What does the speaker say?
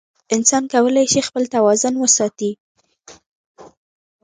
انسان کولی شي خپل توازن وساتي.